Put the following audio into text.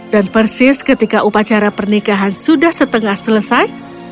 dan persis ketika upacara pernikahan sudah setengah selesai